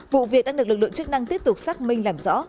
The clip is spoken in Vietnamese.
vụ việc đã được lực lượng chức năng tiếp tục xác minh làm rõ